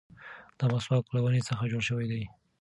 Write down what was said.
دا مسواک له ونې څخه جوړ شوی دی.